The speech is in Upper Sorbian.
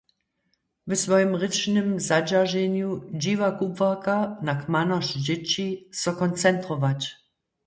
W swojim rěčnym zadźerženju dźiwa kubłarka na kmanosć dźěći, so koncentrować.